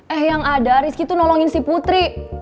eh yang ada rizky itu nolongin si putri